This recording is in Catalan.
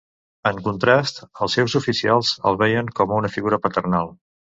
En contrast, els seus oficials el veien com una figura paternal.